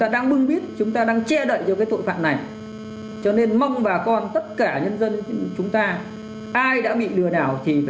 để tránh bị mắc lừa